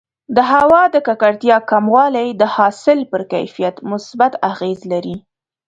د هوا د ککړتیا کموالی د حاصل پر کیفیت مثبت اغېز لري.